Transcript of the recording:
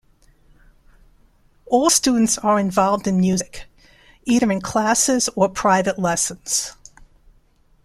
All students are involved in music, either in classes or private lessons.